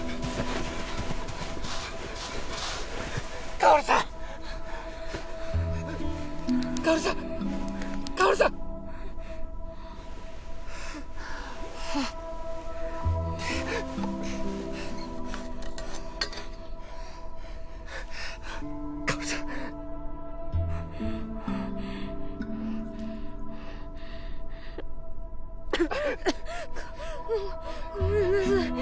薫さん薫さん薫さん薫さんごごめんなさい